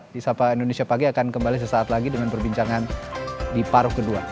di sapa indonesia pagi akan kembali sesaat lagi dengan perbincangan di paruh kedua